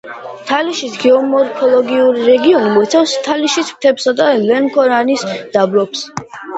თალიშის გეომორფოლოგიური რეგიონი მოიცავს თალიშის მთებსა და ლენქორანის დაბლობს.